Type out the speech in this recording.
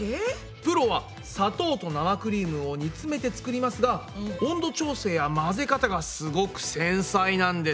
プロは砂糖と生クリームを煮詰めて作りますが温度調整や混ぜ方がすごく繊細なんです。